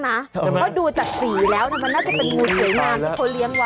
น่าจะเป็นงูเลี้ยงนะ